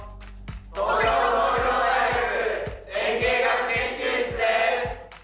東京農業大学園芸学研究室です！